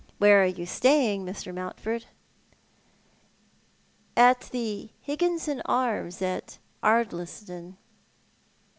Where are you staying, Mr. Mountford?" " At the Higginson Arms at Ardliston."